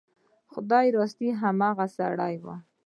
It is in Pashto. خدای راستي هغه ښه سړی و.